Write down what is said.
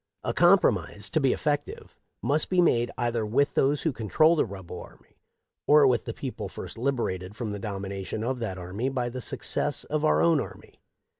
A compromise, to be effective, must be made either with those who control the rebel army, or with the people first liberated from the domination of that army by the success of our own army.